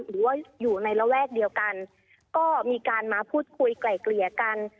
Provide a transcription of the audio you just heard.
หรือว่าอยู่ในระแวกเดียวกันก็มีการมาพูดคุยไกล่เกลี่ยกัน